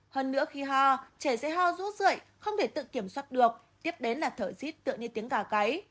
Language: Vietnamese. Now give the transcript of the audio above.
hơn nữa khi hò trẻ sẽ hò rút rượi không thể tự kiểm soát được tiếp đến là thở rít tựa như tiếng gà cấy